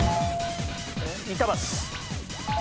板橋。